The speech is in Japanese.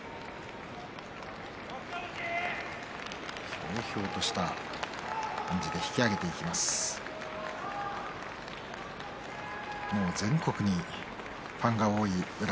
ひょうひょうとした感じで引き揚げていきます宇良。